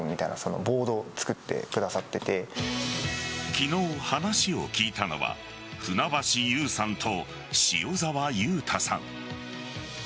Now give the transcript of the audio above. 昨日、話を聞いたのは船橋悠さんと塩澤佑太さん。